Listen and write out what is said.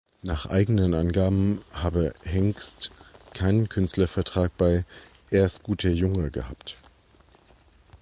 Nach eigenen Angaben habe Hengzt keinen Künstlervertrag bei "ersguterjunge" gehabt.